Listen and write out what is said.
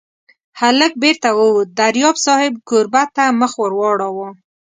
هلک بېرته ووت، دریاب صاحب کوربه ته مخ واړاوه.